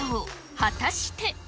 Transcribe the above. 果たして。